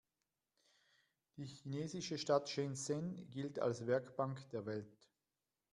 Die chinesische Stadt Shenzhen gilt als „Werkbank der Welt“.